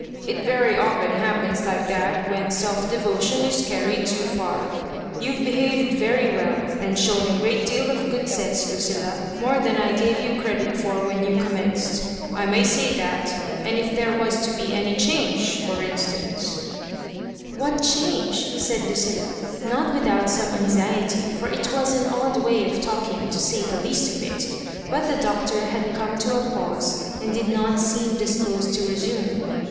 It very often happens like that when self devotion is carried too far. You've behaved very well, and shown a great deal of good sense^ Lucilla — more than I gave you credit for when you conunenced — I may say that; and if there was to be any change, for instance ^" "What change?" said Lucilla, not without some anxiety ; for it was an odd way of talking, to say the least of it; but the Doctor had come to a pause, and did not seem disposed to resume.